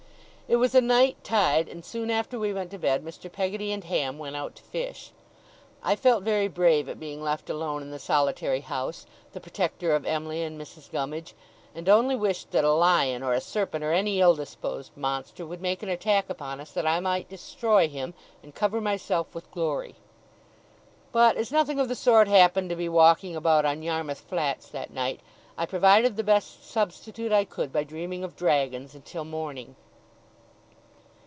It was a night tide; and soon after we went to bed, Mr. Peggotty and Ham went out to fish. I felt very brave at being left alone in the solitary house, the protector of Em'ly and Mrs. Gummidge, and only wished that a lion or a serpent, or any ill disposed monster, would make an attack upon us, that I might destroy him, and cover myself with glory. But as nothing of the sort happened to be walking about on Yarmouth flats that night, I provided the best substitute I could by dreaming of dragons until morning.